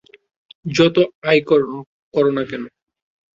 যতই আয় কর না কেন।